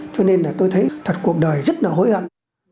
cho nên là tôi thấy thật cuộc đời rất là hối hận